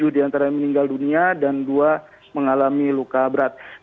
tujuh diantara meninggal dunia dan dua mengalami luka berat